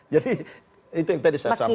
jadi itu yang tadi saya sampaikan